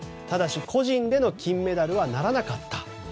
ただし個人での金メダルはならなかった。